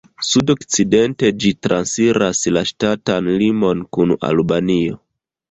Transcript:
Sudokcidente ĝi transiras la ŝtatan limon kun Albanio.